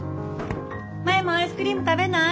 マヤもアイスクリーム食べない？